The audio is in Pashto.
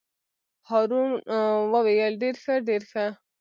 هارون وویل: ډېر ښه ډېر ښه.